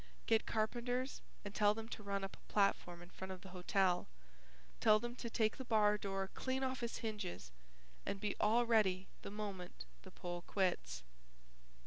Get carpenters and tell them to run up a platform in front of the hotel; tell them to take the bar door clean off its hinges and be all ready the minute the poll quits."